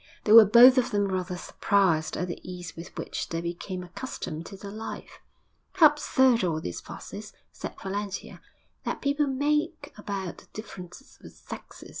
They were both of them rather surprised at the ease with which they became accustomed to their life. 'How absurd all this fuss is,' said Valentia, 'that people make about the differences of the sexes!